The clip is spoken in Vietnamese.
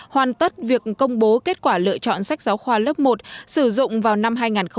hoàn tất việc công bố kết quả lựa chọn sách giáo khoa lớp một sử dụng vào năm hai nghìn hai mươi hai nghìn hai mươi một